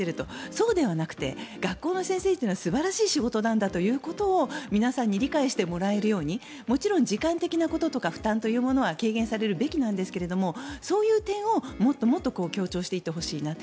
そうではなくて、学校の先生は素晴らしい仕事だと皆さんに理解してもらえるようにもちろん時間的なこととか負担は軽減されるべきなんですがそういう点をもっともっと強調していってほしいなと。